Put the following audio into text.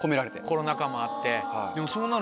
コロナ禍もあって。